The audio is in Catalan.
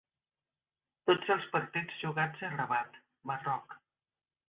Tots els partits jugats a Rabat, Marroc.